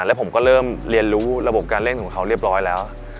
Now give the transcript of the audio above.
แล้วผมก็เริ่มเรียนรู้ระบบการเล่นของเขาเรียบร้อยแล้ว